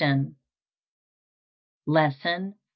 LESSON V.